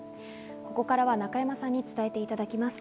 ここからは中山さんに伝えていただきます。